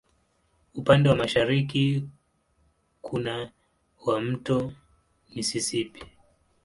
Upande wa mashariki kuna wa Mto Mississippi.